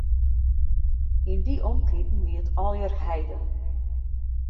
Yn dy omkriten wie it allegear heide.